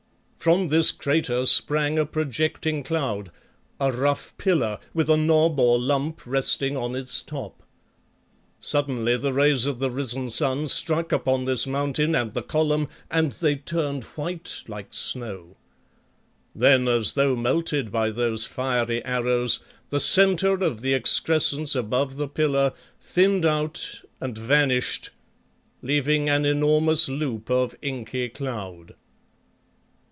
From this crater sprang a projecting cloud, a rough pillar with a knob or lump resting on its top. Suddenly the rays of the risen sun struck upon this mountain and the column and they turned white like snow. Then as though melted by those fiery arrows, the centre of the excrescence above the pillar thinned out and vanished, leaving an enormous loop of inky cloud.